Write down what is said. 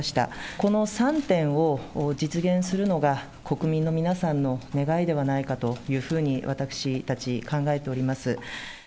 この３点を実現するのが、国民の皆さんの願いではないかというふうに私たち考えております。